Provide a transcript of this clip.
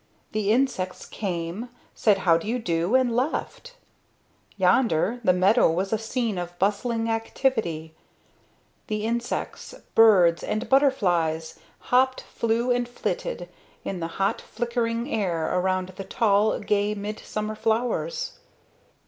The insects came, said how do you do, and left; yonder, the meadow was a scene of bustling activity; the insects, birds and butterflies hopped, flew and flitted in the hot flickering air around the tall, gay midsummer flowers.